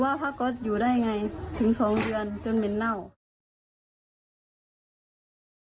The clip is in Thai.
ผ้าก๊อตอยู่ได้ไงถึงสองเดือนจนเหม็นเน่า